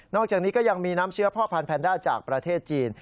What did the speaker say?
อกจากนี้ก็ยังมีน้ำเชื้อพ่อพันธแนนด้าจากประเทศจีน